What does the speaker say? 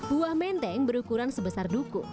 buah menteng berukuran sebesar duku